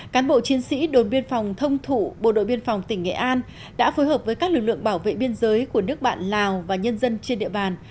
cán bộ chiến sĩ đồn biên phòng thông thụ bộ đội biên phòng tỉnh nghệ an đã phối hợp với các lực lượng bảo vệ biên giới của nước bạn lào và nhân dân trên địa bàn